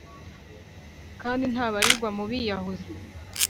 kandi ntabarirwa mu biyahuzi!